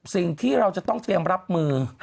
สิ่งที่เราจะต้องเตรียมรับมือ